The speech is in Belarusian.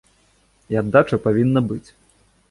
І аддача павінна быць.